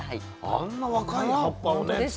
あんな若い葉っぱをね土。